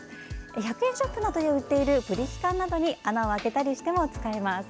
１００円ショップなどで売っている、ブリキ缶などに穴を開けたりしても使えます。